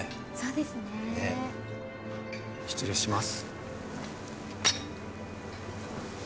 失礼します。